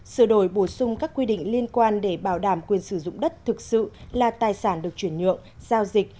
sửa đổi bổ sung các quy định liên quan để bảo đảm quyền sử dụng đất thực sự là tài sản được chuyển nhượng giao dịch